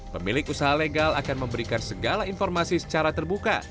pemilik usaha legal akan memberikan segala informasi secara terbuka